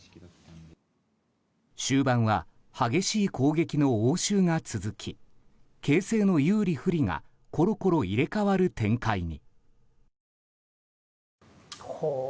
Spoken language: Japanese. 終盤は激しい攻撃の応酬が続き形勢の有利不利がころころ入れ替わる展開に。